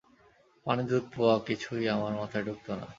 পানি, দুধ, পোয়া কিছুই আমার মাথায় ঢুকত না।